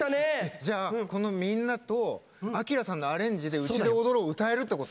じゃあ、みんなとアキラさんのアレンジで「うちで踊ろう」を歌えるってこと？